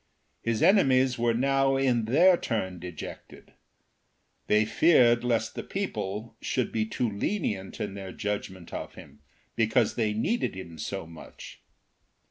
His enemies were now in their turn dejected; they feared lest the people should be too lenient in their judgement of him because they needed him so much.